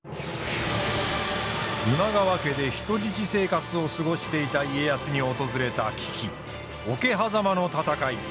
今川家で人質生活を過ごしていた家康に訪れた危機桶狭間の戦い。